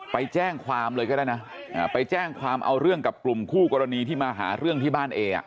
ไปแจ้งความเลยก็ได้นะไปแจ้งความเอาเรื่องกับกลุ่มคู่กรณีที่มาหาเรื่องที่บ้านเอ